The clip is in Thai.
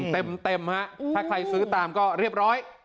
เต็มฮะถ้าใครซื้อตามก็เรียบร้อย